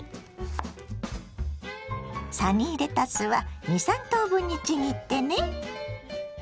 サニーレタスは２３等分にちぎってね。